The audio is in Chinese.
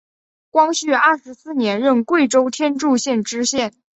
光绪二十四年任贵州天柱县知县。